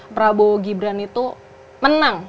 prabowo gibran itu menang